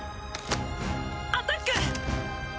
アタック！